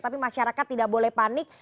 tapi masyarakat tidak boleh panik